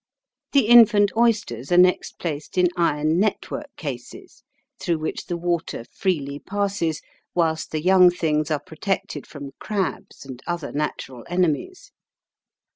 The infant oysters are next placed in iron network cases, through which the water freely passes, whilst the young things are protected from crabs and other natural enemies.